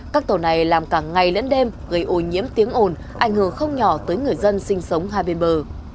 các tàu này làm cả ngày lẫn đêm gây ô nhiễm tiếng ồn ảnh hưởng không nhỏ tới người dân sinh sống hai bên bờ